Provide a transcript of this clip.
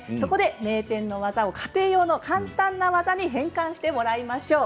名店の技を家庭用の簡単な技に変換してもらいましょう。